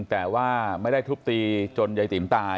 แต่ว่าไม่ได้ทุบตีจนยายติ๋มตาย